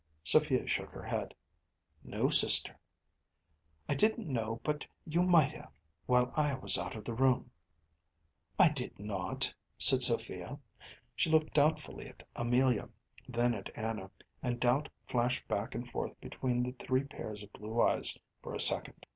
‚ÄĚ Sophia shook her head. “No, sister.‚ÄĚ “I didn’t know but you might have, while I was out of the room.‚ÄĚ “I did not,‚ÄĚ said Sophia. She looked doubtfully at Amelia, then at Anna, and doubt flashed back and forth between the three pairs of blue eyes for a second.